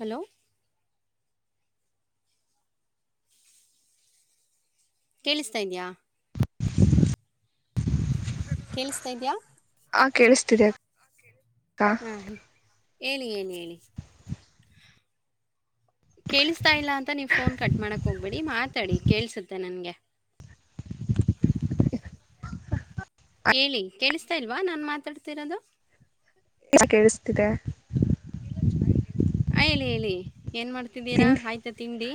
Hello ಕೇಳಿಸ್ತಾ ಇದಿಂದಯ ಕೇಳಿಸತಾ ಇದ್ಯಾ ಹಾ ಕೇಳಿಸ್ತಿದೆ ಹಾ ಹೇಳಿ ಕೇಳಿಸತಾ ಇಲ್ಲ ಅಂತ ನೀವು ಫೋನ್ ಕಟ್ ಮಾಡಕ್ ಹೋಗ್ಬಿಡಿ ಮಾತಾಡಿ ಕೇಳಸುತ್ತೆ ನನ್ಗೆ ಹೇಳಿ ಕೇಳಿಸ್ತಾ ಇಲ್ವಾ ನಾನ್ ಮಾತಾಡ್ತಿರೋದು ಕೇಳಿಸ್ತಿದೆ ನ್ನ ಹೇಳಿ ಹೇಳಿ ಏನ್ ಮಾಡ್ತಿದ್ದೀರಾ ತಿಂಡಿ ಆಯ್ತಾ ತಿಂಡಿ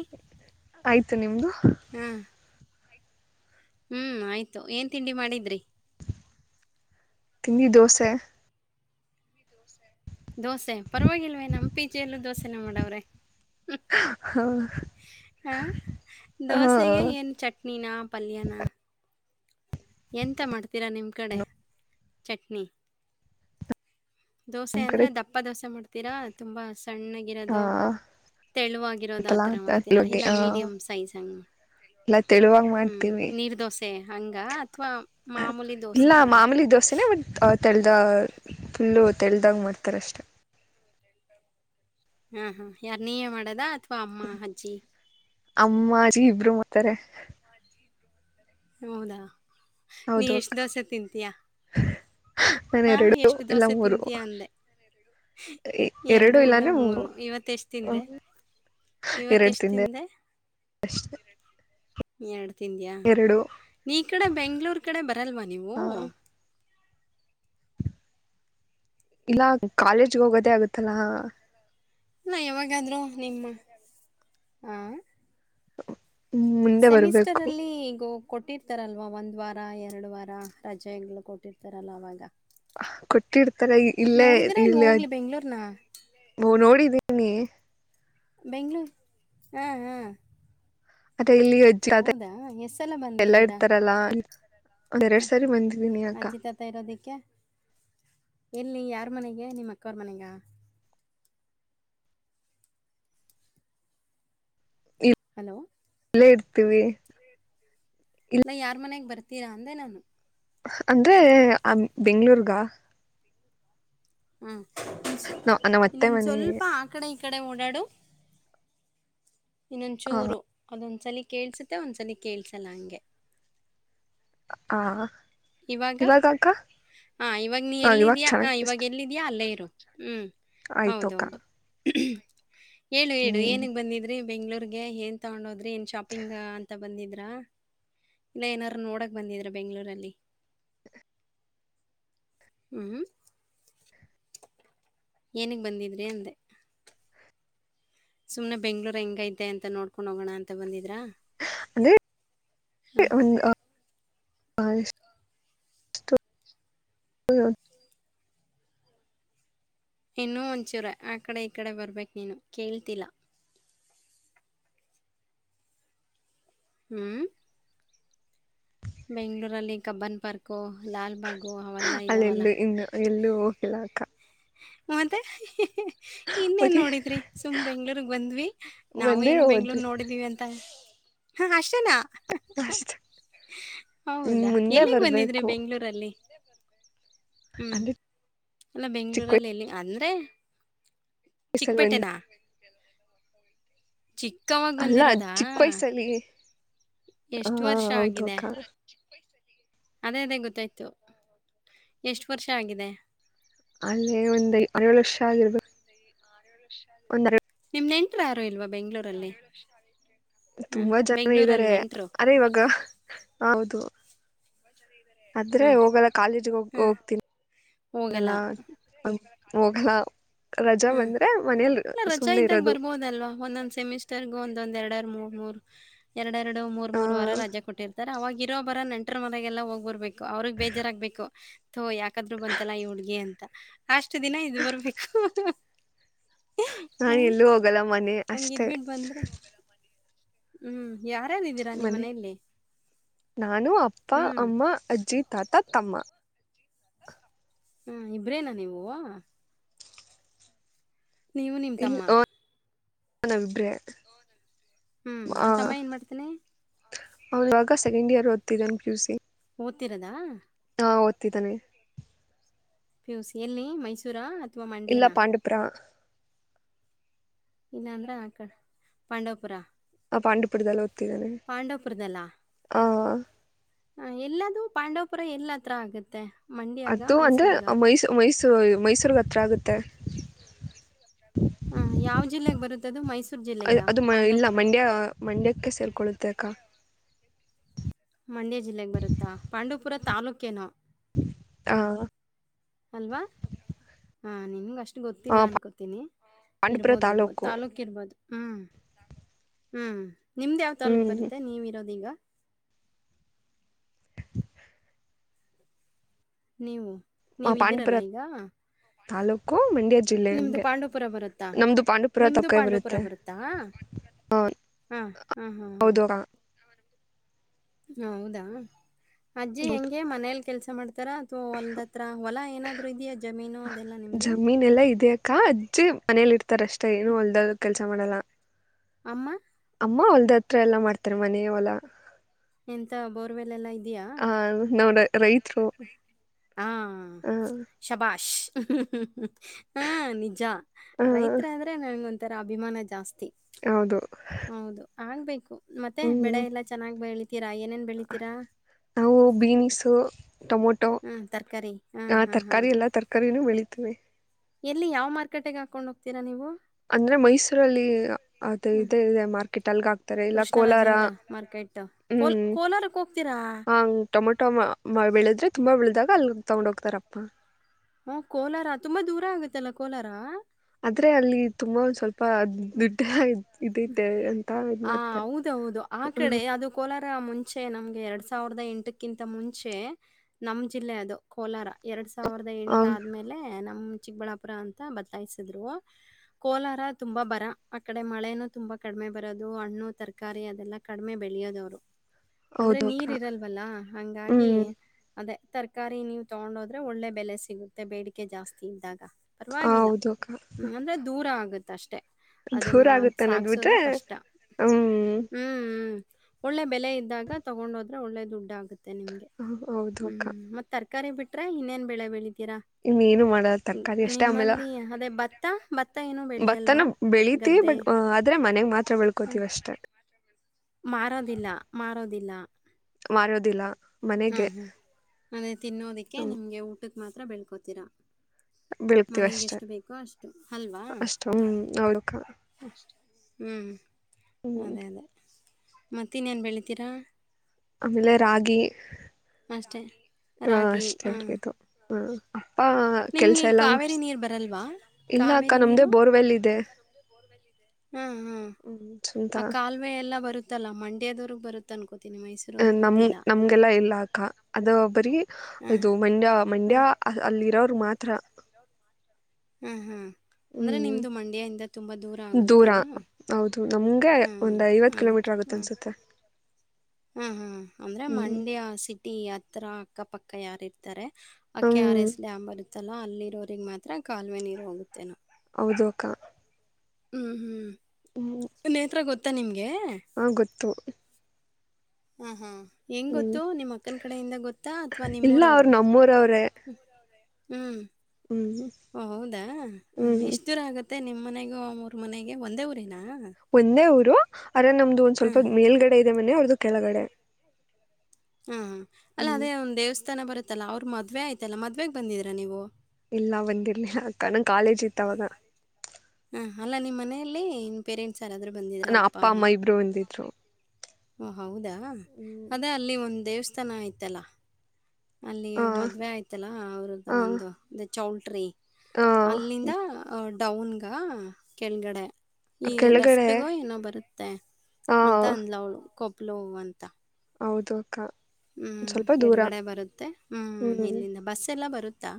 ಆಯ್ತು ನಿಮ್ದು ಹಾ ಹ್ಮ್ ಆಯ್ತು ಏನ್ ತಿಂಡಿ ಮಾಡಿದ್ರಿ ತಿಿ ದೋಸೆ ದೋಸೆ ದೋಸೆ ಪರವಾಗಿಲ್ವೇ ನಮ್ಮ ಪಿಜೆಯಲ್ಲೂ ದೋಸೆನ ಮಾಡವ್ರೆ ಹಾ ಆ ದೋಸೆಗೆ ಏನು ಚಟ್ನಿನಾ ಪಲ್ಯನಾ ಎಂತ ಮಾಡ್ತೀರಾ ನಿಮ್ ಕಡೆ ಚಟ್ನಿ ದೋಸೆ ನಮ್ ಕಡೆ ಅಂದ್ರೆ ದಪ್ಪ ದೋಸೆ ಮಾಡ್ತವಿ ರ ತುಂಬ ಆ ಸಣ್ಣಾಗಿರೋದು ತೆಳುವಗರೋದು ಐತಲ್ಲ ಆತರ ಮಾಡ್ತೀರಾ ಬಗ್ಗೆ ಇಲ್ಲ ಆ ಮೀಡಿಯಂ ಸೈಜ್ ಹಂಗ ಎಲ್ಲ ತೆಳುವಾಗಿ ಹ್ಮ ಮಾಡ್ತೀವಿ ನೀರ್ ದೋಸೆ ಹಂಗ ಅಥವಾ ಮಾಮೂಲಿ ದೋಸೆ ಇಲ್ಲ ತರ ಮಾಮೂಲಿ ದೋಸೆನೆ ಬಟ್ ತೆಳ್ದ ಫುಲ್ಲು ತೆಳ್ದಾಗ ಮಾಡ್ತಾರ ಅಷ್ಟೆ ಹಾ ಹಾ ಯಾರ್ ನೀವೇ ಮಾಡದಾತ್ ಪಾಮ ಅಜ್ಜಿ ಅಮ್ಮಾಜಿ ಇಬ್ರು ಮತ್ತಾರೆ ಹೌದಾ ನೀ ಹೌದು ಅಕ್ಕ ಎಷ್ಟು ದೋಸೆ ತಿಂತೀಯಾ ನಾನು ಹಾಂ ಎರಡು ಎಷ್ಟು ಇಲ್ಲ ದೋಸೆ ಮೂರು ತಿಂತೀಯಾ ಅಂದೆ ಎರಡು ಇಲ್ಲ ಮೂರು ಇವತ್ತು ಎಷ್ಟು ತಿಂದೆ ಇವತ್ತು ಎಷ್ಟು ತಿಂದೆ ಅಷ್ಟ ಎಡ್ ತಿಂದಯಾ ನೀ ಕಡೆ ಬೆಂಗಳೂರು ಕಡೆ ಬರಲ್ವಾ ನೀವು ಆ, ಇಲ್ಲ ಕಾಲೇಜ್ಗೆ ಹೋಗೋದೇ ಆಗತ್ತಲ್ಲಾ ಇಲ್ಲ ಯಾವಾಗಾದ್ರೂ ನಿಮ್ಮ ಹಾ ಮುಂದೆ ಸೆಮಿಸ್ಟರ್ ಬರ್ಬೇಕು ಅಲ್ಲಿ ಈಗ ಹೋಗ ಕೊಟ್ಟಿರ್ತಾರಲ್ವ ಒಂದ್ ವಾರ ಎರಡು ವಾರ ರಜೆಗಳು ಕೊಟ್ಟಿರ್ತಾರಲ್ಲ ಅವಾಗ ಕೊಟ್ಟಿರ್ತಾರೆ ಇಲ್ಲೇ ನೋಡಿದೀರಾ ಇಲ್ವಾ ಇಲ್ಲ ಹೋಗ್ಲಿ ಬೆಂಗ್ಳೂರ್ನ ನೋಡಿದೀನಿ ಬೆಂಗಳೂರು ಹಾಂ ಹಾಂ ಅದೇ ಇಲ್ಲಿ ಅಜ್ಜಿ ಸಲ ಎಲ್ಲ ಬಂದಿದ್ದೀರಾ ಇರ್ತಾರಲ್ಲ ಒಂದ ಹ, ಎರಡ್ ಸಾರಿ ಬಂದಿದೀನಿ ಅಕ್ಕ ಅಜ್ಜಿ ತಾತ ಇರೋದಕ್ಕೆ ಎಲ್ಲಿ ಯಾರ ಮನೆಗೆ ನಿಮ್ಮ ಅಕ್ಕವ್ರ ಮನೆಗೆ ಹಲೋ ಎಲ್ಲ ಇರ್ತೀವಿ ಇಲ್ಲ ಯಾರ್ ಮನೆಗೆ ಬರ್ತ್ತ ನೀ ರ ಅಂದೇ ನಾನ ಅಂದ್ರೆ ಆ ಬೆಂಗ್ಳೂರ್ಗ ಹ್ಮ ನ ನಮ್ಮ ಅತ್ತೆ ಇನ್ನೊಂದ್ ಮನೆಗೆ ಸ್ವಲ್ಪ ಆಕಡೆ ಇ ಕಡೆ ಉಂಡಡು ಇನ್ನೊಂದ ಚೂರು ಅದೊಂದು ಒಂದ್ಸಲ ಕೇಳ್ಸುತ್ತೆ ಒಂದ್ಸಲ ಕೇಳ್ಸಲ್ಲ ಹಂಗೆ ಆ ಇವಾಗ ಹ ಇವಾಗ ನೀ ಹ ಇವಾಗ ಎಲ್ಲಿದ್ಯಾ ಹ ಇವಾಗ ಎಲ್ಲಿದಯಾ ಅಲ್ಲೇ ಇರು ಹ್ಮ್ ಆಯ್ತುಕ್ಕ ್ಮ ಹೇಳು ಹೇಳು ಏನಗ್ ಬಂದಿದ್ರಿ ಬೆಂಗಳೂರ್ಗೆ ಏನ್ ತೊಗೊಂಡೋ ಏನ್ ಶಾಪಿಂಗ್ ಅಂತ ಬಂದಿದ್ರಾ ಇಲ್ಲ ಏನಾರ್ರು ನೋಡಕ್ ಬಂದಿದ್ರ ಬೆಂಗಳೂರಲ್ಲಿ ಹ್ಮ್ ಏನಿಗೆ ಬಂದಿದ್ರಿ ಅಂದೆ ಸುಮನೆ ಬೆಂಗಳೂರು ಹೆಂಗೈಐತೆ ಅಂತ ನೋಡ್ಕೊಂಡ್ ಹೋಗೋಣ ಅಂತ ಬಂದಿದ್ದ ಅಂದ್ರೆ ಬಂದಿರ ಹ ಹ [unintelligible] ಇನ್ನೂ ಒಂಚೂರ ಆ ಕಡೆ ಈ ಕಡೆ ಬರ್ಬೇಕ್ ನೀನು ಕೇಳ್ತಿಲ್ಲ ಹ್ಮ್ ಬೆಂಗ್ಳೂರಲ್ಲಿ ಕಬ್ಬನ್ ಪಾರ್ಕು ಲಾಲ್ಬಾಗು ಅವೆಲ್ಲಾ ಇದಾವಲ್ಲ ಅಲ್ಲೆಲ್ಲೂ ಇನ್ನು ಎಲ್ಲೂ ಹೋಗಿಲ್ಲ ಅಕ್ಕ ಮತ್ತೆ ಇನ್ನೇನ್ ಹೋಗಿ ನೋಡಿದ್ರಿ ಸುಮ್ ಬೆಂಗ್ಳೂರ್ಗ್ ಬಂದ್ವಿ ನಾವು ಒಂದೇ ಏನೋ ಹೋದ್ವಿ ಬೆಂಗ್ಳೂರ್ ನೋಡಿದೀವಿ ಅಂತ ಹ ಟೆನಾ ಅಷ್ಟ ಇನ್ ಹೌದಾ ಮುಂದೆ ಎಲ್ಲಿಗೆ ಬಂದಿದ್ರೆ ಬರ್ಬೇಕು ಬೆಂಗಳೂರಲ್ಲಿ ಹ್ಮ್ ಅಂದ್ರೆ ಅಲ್ಲ ಚಿಕ್ಕ ಬೆಂಗ್ಗಳೂರಲ್ಲಿ ಎಲ್ಲಿಗೆ ಮತ್ತೆ ವಯಸ್ಸಲ್ಲಿ ಬಂದಿ ಚಿಕ್ಕಪೇಟೆನಾ ಚಿಕ್ಕವಾಗ ಅಲ್ಲ ಬಂದಿರೋದಾ ಚಿಕ್ಕ ವಯ್ಸಲ್ಲಿ ಎಷ್ಟು ಹಾ ವರ್ಷ ಹೌದು ಆಗಿದೆ ಅಕ್ಕ ಅದೇ ಅದೇ ಗೊತ್ತಾಯ್ತು ಎಷ್ಟು ವರ್ಷ ಆಗಿದೆ ಅಲ್ಲೇ ಒಂದು ಏಳು ವರ್ಷ ಆಗಿರ್ಬೇಕು ಒಂದ್ ನಿಮ್ದೇನ್ ನಿಮ್ಮವರು ಯಾರು ಇಲ್ವಾ ಬೆಂಗ್ಳೂರಲ್ಲಿ ಹ್ಮ್ ತುಂಬಾ ಜನ ಬೆಂಗ್ಳೂರಲ್ಲಿ ಇದ್ದಾರೆ ನೆಂಟ್ರು ಅದೇ ಇವಾಗ ಹೌದು ಆದ್ರೆ ಹ್ಮ ಹೋಗಲ್ಲ ಕಾಲೇಜಿಗೆ ಹೋಗ ಹ್ಮ್ ಹೋಗ್ತೀನಿ ಹೋಗಲ್ಲ ಅಂದ್ರೆ ಹೋಗಲ್ಲ ಹೋಗಲಾ ಹ್ಮ್ ಇಲ್ಲ ರಜಾ ಇದ್ದಾಗ ಇರೋದು ಬರ್ಬೋದಲ್ವಾ ಒಂದೊಂದ್ ಸೆಮಿಸ್ಟರ್ಗ ಒಂದೊಂದ್ ಎರಡರ್ ಮೂರು ಮೂರು ಎರಡು ಎರಡು ಮೂರ್ ಆ ಮೂರ್ ವಾರ ರಜಾ ಕೊಟ್ಟಿರ್ತಿ ಅವಗಿ ಇರೋ ಬರ ನಂಟ್ರ ಮನೆಗೆಲ್ಲ ಹೋಗ್ ಬರ್ಬೇಕು ಅವ್ರಗ್ ಬೇಜಾರಾಗ್ಬೇಕು ಅಯ್ಯೋ ಯಾಕಾದ್ರೂ ಬಂತಲ್ಲ ಈ ಹುಡ್ಗಿ ಅಷ್ಟು ದಿನ ಇದ್ದು ಬರ್ಬೇಕು ನಾ ಹ್ಮ್ ಎಲ್ಲೂ ಹೋಗಲ್ಲ ಮನೆ ಹಂಗ ಅಷ್ಟೇ ಇದ್ಬಿಟ್ಟು ಬಂದ್ರೆ ಹ್ಮ್ ಯಾರ್ಯಾರ ಇದ್ದೀರಾ ನಿಮ್ಮ್ ಮನೆ ಮನೇಲಿ ನಾನು ಅಪ್ಪ ಹ್ಮ್ ಅಮ್ಮ ಅಜ್ಜಿ ತಾತ ತಮ್ಮ ಹಾ ಇಬ್ರೇನಾ ನೀವುವಾ ನೀವು ನಿಮ್ಮ ತಮ್ಮ ಹ ಹ್ಮ್ ಅಂ ತಮ್ಮ ಏನ್ ಮಾಡ್ತೇನಿ ಅವ್ನು ಇವಾಗ ಸೆಕೆಂಡ್ ಇಯರ್ ಓದ್ತಿದ್ದಾನನ್ ಪಿ ಯು ಸಿ ಓದ್ತಿರೋದಾ ಹಾ ಓದ್ತಿದ್ದಾನೆ ಪಿ ಯು ಸಿ ಎಲ್ಲಿ ಮೈಸೂರ ಇಲ್ಲ ಪಾಂಡಪುರಾ ಇಲ್ಲಂದ್ರೆ ಆ ಕ ಪಾಂಡವಪುರ ಪಂಡಪುರಾದಲಿ ತ ಓದತಿದಲ್ತ್ತ ಹಾ ಹ ಎಲ್ಲದೂ ಪಾಂಡವಪುರ ಎಲ್ಲತ್ರ ಆಗತ್ತೆ ಅದು ಅಂದ್ರೆ ಮೈಸೂ ಮೈಸೂ ಮೈಸೂರ್ಗ ಹತ್ರ ಆಗುತ್ತೆ ಹ ಯಾವ್ ಜಿಲ್ಲೆಗ ಬರುತ್ತದದು ಮೈಸೂರ ಅದು ಇಲ್ಲ ಮಂಡ್ಯ ಮಂಡ್ಯಕ್ಕೆ ಸೇರ್ಕೊಳ್ಳುತ್ತ ಅಕ್ಕ ಮಂಡ್ಯ ಜಿಲ್ಲೆಗೆ ಬರುತ್ತಾ ಪಾಂಡುಪುರ ತಾಲೂಕನು ಹಾ ಅಲ್ವಾ ಹಾ ನಿನ್ಗ ಅಷ್ಟೇ ಆ, ಗೊತ್ತಿಲ್ಲ ಅನ್ಕೋತೀನಿ ಪಾಂಡವಪುರ ಇರ್ಬೋದ ಇರ್ಬೋದು ತಾಲೂಕು ತಾಲೂಕ್ ಇರ್ಬೋದು ಹ್ಮ್ ಹ್ಮ್ ನಿಮ್ದ್ ಯಾವ ಹ್ಞೂ ತಾಲೂಕ್ ಬರುತ್ತೆ ನೀವ ಇರೋದ ಈಗ. ನೀವು ಪಾಂಡವಪುರ ನೀವಿದ್ದೀರಲ್ಲ ಈಗ ತಾಲೂಕು ಮಂಡ್ಯ ಜಿಲ್ಲೆ ನಿಮ್ದು ನಮಗೆ ಪಾಂಡವಪುರ ಬರುತ್ತಾ. ನಮ್ಮದು ಪಾಂಡವಪುರ ನಿಮ್ದು ತಕ್ಕ ಪಾಂಡವಪುರ ಬರುತ್ತೆ ಬರುತ್ತಾ ಹಾ ಹಾ ಹಾ ಹಾ ಹಾ. ಹೌದು ಅಕ್ಕ ಹೌದಾ ಅಜ್ಜಿ ಹೆಂಗಗೆ ಮನೇಲಿ ಕೆಲಸ ಮಾಡ್ ಇದೆಯಾ ಜಮೀನು ಅದೆಲ್ಲ ನಿಮ್ದು ಜಮೀನ್ ಎಲ್ಲಾ ಇದೆಯ ಅಕ್ಕ ಅಜ್ಜಿ ಮನೇಲಿ ಇರ್ತಾರಷ್ಟೇ ಏನು ಹೊಲ್ದ ಕೆಲ್ಸ ಮಾಡಲ್ಲ. ಅಮ್ಮ ಅಮ್ಮ ಹೊಲ್ದ ಹತ್ರ ಎಲ್ಲಾ ಮಾಡ್ತಾರೆ ಮನೇ ಹೊಲ. ಎಂತ ಬೋರ್ವೆಲ್ ಎಲ್ಲಾ ಇದ್ ಹೌದ್ ನೋಡಿ ಹಾ ಆ, ಶಬಾಶ್ [inaudible] ಹಾ ನಿಜ ಆ, ರೈತ್ರ್ ಅಂದ್ರೆ ನಂಗಂತ್ ತರ ಅಭಿಮಾನ ಜಾಸ್ತಿ. ಹೌದು ಆಗಬೇಕು ಮತ್ತೆ ಹ್ಞೂ ಬೆಳೆ ಎಲ್ಲಾ ಚೆನ್ನಾಗ್ ಬೆಳಿ ನಾವು ಬೀನ್ಸು. ಟೊಮೊಟೊ ಹಾ ತರಕಾರಿ ಹಾ ಆ ಹಾ ಹಾ ತರಕಾರಿ ಎಲ್ಲಾ ತರಕಾರಿನೂ ಬೆಳಿತಿವಿ. ಎಲ್ಲಿ ಯಾವ ಮಾರ್ಕೆಟ್ ಹಾಕೊಂಡ್ ಹೋಗ್ತೀರಾ ನೀವು. ಅಂದ್ರೆ ಮೈಸೂರಲ್ಲಿ ಅದು ಹ್ಮ್ ಇದೆ ಇದೆ ಮಾರ್ ಕಟಲ್ಗಾ ಇಲ್ಲ ಕೋಲಾರ ಕೃಷ್ಣರಾಜೇಂದ್ರ ಮಾರ್ಕೆಟ್ ಕೋಲ್ ಹ್ಮ್ ಕೋಲಾರಕ್ಕೆ ಹೋಗ್ತೀರಾ ಹಾ ಟೊಮೆಟೊ ಬೆಳದ್ರೆ ತುಂಬಾ ಬೆಳೆದಾಗ್ ಕಲ್ಲ ತಗೊಂಡ ಹೋಗ್ತಾರಪ್ಪ. ಹ ಕೋಲಾರ ತುಂಬಾ ದೂರ ಆಗತ್ತಲ್ಲ ಕೋಲಾರ. ಆದ್ರೆ ಅಲ್ಲಿ ತುಂಬಾ ಒಂದ ಸ್ವಲ್ಪ ಾ ದುಡ್ಡ ಇದೈತೆ ಅಂತ ಆ ಮಾಡ್ತಾರೆ. ಹೌದೌದು ಆ ಕಡೆ ಅದು ಕೋಲಾರ ಮುಂಚೆ ನಮ್ಗೆ ಎರಡ್ ಸಾವಿರದ ಎಂಟಕ್ಕಿಂತ ಮುಂಚೆ ನಮ್ ಜಿಲ್ಲೆ ಅದು ಕೋಲಾರ ಎರಡ್ ಸಾವಿರದ ಎಂಟ ಹೌ- ಆದ್ಮೇಲೆ ನ ಹ ಚಿಕ್ಕಬಳ್ಳಾಪುರ ಅಂತ ಬದಲಾಯಿಸಿದ್ರು ಕೋಲಾರ. ತುಂಬಾ ಬರ ಆ ಕಡೆ ಮಳೆನು ತುಂಬಾ ಕಡಿಮೆ ಬರೋದು ಹಣ್ಣು ತರಕಾರಿ ಅದೆಲ್ಲ ಕಡಿಮೆ ಬೆಳೆಯೋದುವ್ರು. ಅಂದ್ರೆ ಹೌದು ಅಕ್ಕ ನೀರ್ ಇರಲ್ವಲ್ಲಾ ಹಂಗಾಗಿ ಹ್ಞೂ ಅದೇ. ತರಕಾರಿ ನೀವು್ ತಗೊಂಡೋದ್ರೆ ಒಳ್ಳೆ ಬೆಲೆ ಸಿಗುತ್ತೆ ಬೇಡಿಕೆ ಜಾಸ್ತಿ ಇದ್ದಾಗ. ಪರವಾಗಿಲ್ಲ ಹೌದು ಅಕ್ಕ ಹ್ಮ್ ಅಂದ್ರೆ ದೂರ ಆಗುತ್ತೆ. ತಷ್ಟೆ. ದೂರ ಆಗುತ್ತೆನ್ನೋದ್ ಬಿಟ್ರೆ ಹ್ಮ್. ಹ್ಮ್ ಹ್ಮ್. ಒಳ್ಳೆ ಬೆಲೆ ಇದ್ದಾಗ ತಗೊಂಡೋದ್ರೆ ಒಳ್ಳೆ ದುಡ್ಡ ಆಗುತ್ತೆ. ಮ ನಿಮ್ಗೆ ಹೌದು ಅಕ್ಕ ಹ್ಮ್ ಮತ್ತ ತಕಾರಿ ಬಿಟ್ರೆ ಇನ್ನೇನ್ ಬೆಳೆ ಬೆಳಿ ಇನ್ನೇನು ಮಾಡಲ್ಲ ತರಕಾರಿ ಅಷ್ಟೇ ಆಮೇಲೆ ನಿಮ್ಮಲ್ಲಿ ಅದೇ ಭತ್ತ ಭತ್ತ ಏನು ಬೆ ತನ್ನ ಬೆಳೀತಿವಿ ಬಟ್ ಆದ್ರೆ ಮನೆಗ್ ಮಾತ್ರ ಹ್ಮ್ ಬೆಳ್ಕೋತೀವಿ ಅಷ್ಟೇ. ಮಾರೋದಿಲ್ಲ ಮಾರೋದ. ಅದಲ ಮರೋದಿಲ್ಲ. ಹ್ಮ್ ಹ್ಮ್ ನಾನೆ ತಿನ್ನೋದಿಕ್ಕೆ ನಿಮ್ಗೆ ಊಟಕ್ಕೆ. ಮಾತ್ರ ಬೆಳ್ಕೋತೀರಾ. ಬೆಳ್ತೀವಿ ಮನೆಗೆ ಅಷ್ಟೇ ಎಷ್ಟು ಬೇಕೋ ಅಷ್ಟು ಅಲ್ವಾ. ಅಷ್ಟು ಹ್ಮ್ ಹೌದಕ್ಕ ಹ್ಮ್. ಹ್ಮ್ ಅದೇ ಅದೇ. ಮತ್ತನ್--ಏನು ಬೆಳಿತೀರಾ ಆಮೇಲೆ ರಾಗಿ. ಅಷ್ಟೇ ಹಾ ರಾಗಿ ಅಷ್ಟೇ ಹಾಂ ಅವದು ಹ ಅಪ್ಪ ಕೆಲ್ಸ ನಿಮಗೆ ಎಲ್ಲ ಕಾವೇರಿ ನೀರು ಬರಲ್ವಾ ಇಲ್ಲ ಅಕ್ಕ ಕಾವೇರಿ ನಮ್ದೇ ಬೋರ್ವೆಲ್ ಇದೆ. ಹಾ ಹಾ ಹ್ಮ್ ಸ್ವಂತ ಆ ಕಾಲುವೆ ಎಲ್ಲಾ ಬರುತ್ತ. ಅತ್ತಲ್ಲ ಮಂಡ್ಯದವ್ರಗ್ ಬರುತ್ತ ಅನ್ಕೋ. ನಮ ನಮ್ಗೆಲ್ಲಾ ಇಲ್ಲ ಅಕ್ಕ ಅದ ಬರಿೀ ಇದು ಮಂಡ್ಯ ಮಂಡ್ಯ ಅಲ್ಲಿರೋ ಮಾತ್ರ. ಹ್ಮ್ ಹ್ಮ್. ಹ್ಮ್ ದೂರ ಆಗುತ್ತೇನೋ ಹೌದು ನಮ್ಗೆ ಹ್ಮ್ ಒಂದ್ ಐವತ್ ಅದಕ್ಕೆ ಕಿಲೋಮೀಟರ್ ಆಗುತ್ತೆ ಅನ್ಸುತ್ತೆ. ಹ್ಮ್ ಹ್ಮ್. ಅಂದ್ರೆ ಹ್ಮ್ ಮಂಡ್ಯ ಸಿ ಟಿ ಹತ್ರ ಅಕ್ಕಪಕ್ಕ ಯಾರ ಇರ್ತಾರೆ. ಅಕ್ಕೆ ಹ್ಮ್ ಆರಸ--ಮ ಬ ಇತ್ತಲ್ಲ ಅಲ್ಲಿರೋಿಗೆ ಮಾತ್ರ ಕಾಲುವೆ ನೀರು ಹೋಗುತ್ತೆ ನಾ ಹೌದಕ ಹ್ಮ್ ಹ್ಮ್. ನೇತ್ರ ಗೊತ್ತ. ನಿಮಗೆ. ಹಾ ಗೊತ್ತು ಹ್ಮ ಹ್ಮ ಹೆಂಗ್ ಹ್ಮ್ ಗೊತ್ತು ನಿಮ್ಮ್ ಅಕ್ಕನ ಕಡೆಯಿಂದ ಗೊತ್ತಾ ಅಥವಾ ಇಲ್ಲ ಅವ್ರ ನಿಮ್ಮೂರವರು ನಮ್ಮೂರವ್ರೇ ಹ್ಮ್ ಹ್ಮ್ ಹೌದಾ ಹ ಹ್ಮ್ ಎಷ್ಟ ದೂರ ಆಗತ್ತೆ ಮತ್ತೆ ನಿಮ್ಮ್ನೆಗೂ ಅವರ ಮನೆಗೆ ಒಂದೇ ಊರಿನ ಒಂದೇ ಊರು ಅಂದ್ರ ನಮ್ದು ಒಂದ್ ಹ್ಮ್ ಸ್ವಲ್ಪ ಮೇಲ್ಗಡೆ ಇದೆ ಮನೆ ಅವ್ರ್ದು ಕೆಳಗಡೆ ಹಾ ಅಲ್ಲ ಹ್ಮ್ ಅದೇ ಒಂದ್ ದೇವಸ್ಥಾನ ಬರುತ್ತೆ ಆಯತಲ್ಲ ಅವರು ಮದುವೆ ಆಯತಲ್ಲ ಮದ್ವೆೆಗೆ ಬಂದಿದ್ದೀರಾ ನೀವು ಎಲ್ಲ ಬಂದರಲಿಲ್ಲ ಕಣಕ್ ಕಾಲೇಜ್ ಇತ್ತವಾಗ ಹ ಅಲ್ಲ ನಿಮ್ಮ್ ಮನೆಯಲ್ಲಿ ಪೇರೆಂಟ್ಸ್ ಯಾರಾದ್ರೂ ಬಂದಿದ್ರಾ ನಾ ಅಪ್ಪ ಅಮ್ಮ ಇಬ್ರು ಬಂದಿದ್ರು ಹಓ ಹೌದಾ ಹ ಹ್ಮ್ ಅದೇ ಅಲ್ಲಿ ಒಂದು ದೇವಸ್ಥಾನ ಆಯತ್ತಲ್ಲ ಅಲ್ಲಿ ಹ ಮದ್ವೆ ಆಯ್ತಲ್ಲಾ ಅವ್ರದ್ದ ಒಂದು ಹ ಚೌಟ್ರಿ ಹ ಅಲ್ಲಿಂದ ಡೌನ್ಗ ಕೆಳಗಡೆ ಈಗ ಕೆಳಗಡೆ ಲೆಫ್ಟ್ಗೋ ಏನೋ ಬರುತ್ತೆ ಹ ಅಂತ ಅಂದ್ಲ ಅವ್ಳು ಕೊಪ್ಪ ಲೋ ಅಂತ ಹೌದು ಅಕ್ಕ ಹ್ಮ್. ಸ್ವಲ್ಪ ದೂರ ಎಡಗಡೆ ಬರುತ್ತೆ ಹ್ಮ್ ಇಲ್ಲಿಂದ ಬಸ್ ಎಲ್ಲ ಬರುತ್ತಾ?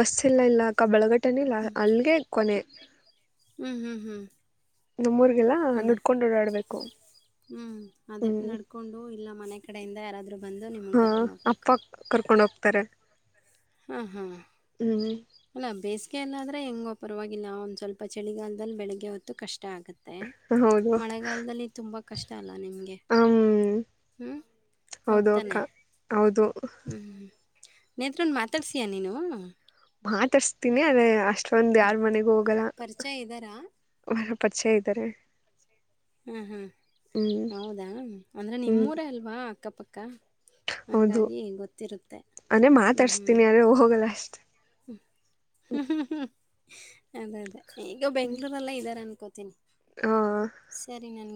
ಬಸ್ಸ ಎಲ್ಲ ಇಲ್ಲ ಅಕ್ಕ ಬಳಗಟ್ಟನ ಇಲ್ಲ ಅಲ್ಲಿಗೆ ಕೊನೆ ಹ್ಮ್ ಹ್ಮ್ ಹ್ಮ್ ನಮ್ಮೂರ್ಗೆಲ್ಲ ಅದೇ ನಡ್ಕೊಂಡ್ ಓಡಾಡ್ಬೇಕು ಕ ಹ್ಮ್ ಅದೇ ನಡ್ಕೊಂಡು ಇಲ್ಲ ಮನೆ ಕಡೆಯಿಂದ ಯಾರಾದ್ರೂ ಬಂದು ನಿಮ್ಮನ್ನ ಹಾ ಕರ್ಕೊಂಡು ಅಪ್ಪ ಕರ್ಕೊಂಡ ಹೋಗ್ತಾರೆ ಹ್ಮ ಹ್ಮ ಹ್ಮ್ ಅಲ್ಲಾ ಬೇಸಿಗೆಯ ಎಲ್ಲಾದ್ರೆ ಹೆಂಗೋ ಪರವಾಗಿಲ್ಲ ಒಂದ್ ಸ್ವಲ್ಪ ಚಳಿಗಾಲದಲ್ಲಿ ಬೆಳಿಗ್ಗೆ ಹೊತ್ತು ಕಷ್ಟ ಕಷ್ಟ ಆಗುತ್ತೆ ಹೌದು ಮಳೆಗಾಲದಲ್ಲಿ ತುಂಬಾ ಕಷ್ಟ ಅಲ್ಲ ನಿಮಗೆ ಹ್ಮ್ ಹ್ಮ ಹೌ ಹೌದು ತಾನೆ ಅಕ್ಕ ಹೌದು ಹ್ಮ ಹ ನೇತ್ರನ ಮಾತಾಡ್ಸಿಯಾ ನೀನು ಆ ತರಿಸ್ತೀನಿ ಅದ ಅಷ್ಟ ಚಂದ್ ಯಾರ್ ಮನೆಗ ಹೋಗಲ್ಲ ಪರಿಚಯ ಇದ್ದಾರಾ? ಪರಿಚಯ ಇದ್ದಾರೆ ಹ್ಮ್ ಹ್ಮ್ ಹ್ಮ್ ಹೌದಾ ಅಂದ್ರೆ ಹ್ಮ್ ನಿಮ್ಮೂರ ಅಲ್ವಾ ಅಕ್ಕಪಕ್ಕ ಕ [inaudible] ಹೌದು ಅನೆೇ ಮಾತಾಡಸ್ತೀನಿ ಅದೇ ಹೋಗಲ್ಲ ಅಷ್ಟ ಹ್ಮ ಹ್ಮ ಹ್ಮ ಅದೇ ಅದೇ ಈಗ ಬೆಂಗ್ಳೂರೆಲ್ಲ ಇದಾರೆ ಅನ್ಕೋತ ತಿನ್ ಹಾ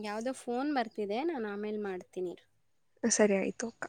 ಯಾವ್ದೋ ಫೋನ್ ಬರ್ತಿದೆ ನಾನ್ ಆಮೇಲ್ ಮಾಡ್ತೀನಿ ಸರಿಯ್ತೋಕ